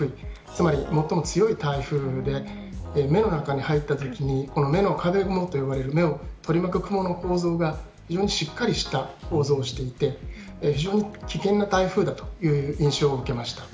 つまり、最も強い台風で目の中に入ったときに目を取り巻く雲の構造がよりしっかりした構造をしていて非常に危険な台風だという印象を受けました。